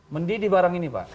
mendi di barang ini pak